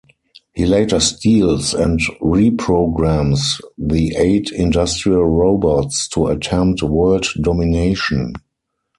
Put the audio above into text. He later steals and reprograms the eight industrial robots to attempt world domination.